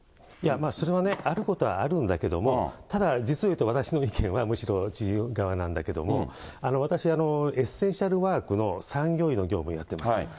まあそれはね、あることはあるんだけども、ただ、実を言うと私の意見は、むしろ知事側なんだけれども、私、エッセンシャルワークの産業医の業務をやっています。